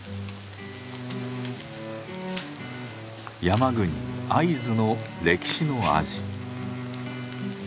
山国会津の歴史の味。